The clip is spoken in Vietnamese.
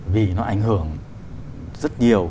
vì nó ảnh hưởng rất nhiều